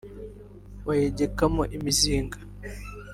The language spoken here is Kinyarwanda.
bayegekamo imizinga